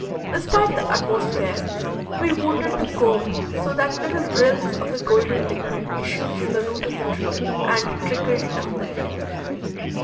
Despite the utmost care, we wounded the comb so that little rills of the golden liquid issued from the root of the tree and trickled down the hill.